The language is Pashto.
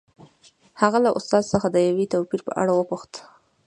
هغه له استاد څخه د دې توپیر په اړه وپوښتل